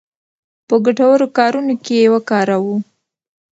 په ګټورو کارونو کې یې وکاروو.